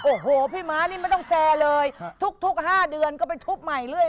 โอ้โหพี่ม้านี่ไม่ต้องแฟร์เลยทุก๕เดือนก็ไปทุบใหม่เรื่อย